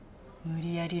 無理やり？